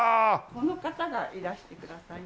この方がいらしてくださいました。